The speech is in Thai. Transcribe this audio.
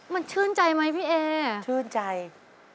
มันชื่นใจไหมพี่เอ้าะะนะครับอร์ท